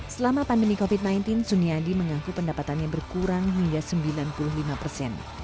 selama pandemi covid sembilan belas suni adi mengaku pendapatannya berkurang hingga sembilan puluh lima persen